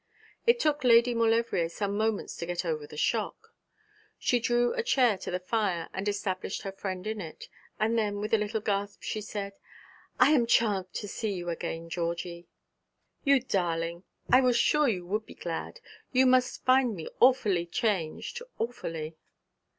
It took Lady Maulevrier some moments to get over the shock. She drew a chair to the fire and established her friend in it, and then, with a little gasp, she said: 'I am charmed to see you again, Georgie!' 'You darling, I was sure you would be glad. But you must find me awfully changed awfully.'